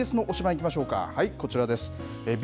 いきましょうか。